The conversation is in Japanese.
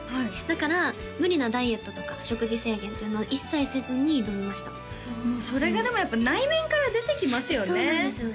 だから無理なダイエットとか食事制限っていうのは一切せずに挑みましたそれがでもやっぱり内面から出てきますよねそうなんですよ